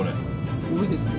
すごいですね。